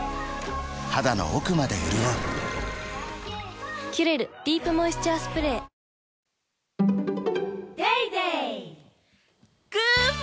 肌の奥まで潤う「キュレルディープモイスチャースプレー」グッモ！